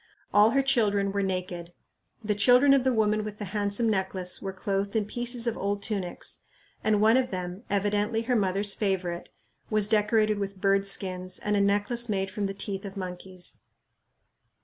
All her children were naked. The children of the woman with the handsome necklace were clothed in pieces of old tunics, and one of them, evidently her mother's favorite, was decorated with bird skins and a necklace made from the teeth of monkeys.